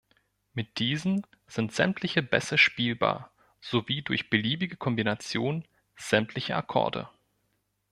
Mit diesen sind sämtliche Bässe spielbar, sowie durch beliebige Kombination sämtliche Akkorde.